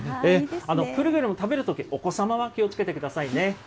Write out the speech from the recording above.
くれぐれも食べるとき、お子様は気をつけてくださいね。